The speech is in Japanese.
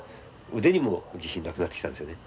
腕にも自信なくなってきたんですよね